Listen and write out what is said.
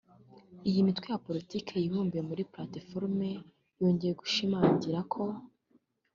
Iyi mitwe ya politiki yibumbiye muri Plateforme yongeye gushimangira ko